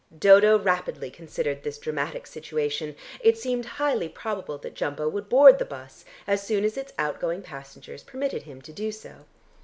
Dodo rapidly considered this dramatic situation. It seemed highly probable that Jumbo would board the bus, as soon as its outgoing passengers permitted him to do so.